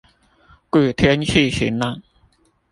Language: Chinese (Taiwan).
故天氣晴朗